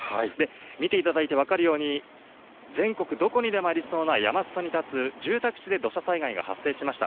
見ていただいて分かるように、全国どこにでもありそうな山すそに立つ住宅地で土砂災害が発生しました。